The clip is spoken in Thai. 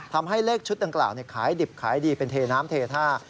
ทำให้เลขชุดดังกล่าวขายดิบขายดีเป็นเทน้ำเทท่า